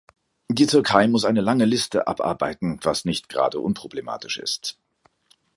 Die Türkei muss eine lange Liste abarbeiten, was nicht gerade unproblematisch ist.